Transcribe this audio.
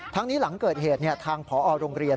ทั้งนี้หลังเกิดเหตุทางผอโรงเรียน